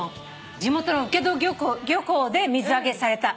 地元の請戸漁港で水揚げされた。